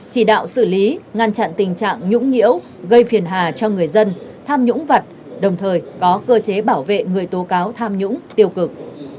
chỉ đạo xử lý ngăn chặn tình trạng nhũng nhiễu gây phiền hà cho người dân tham nhũng vật đồng thời có cơ chế bảo vệ người tố cáo tham nhũng tiêu cực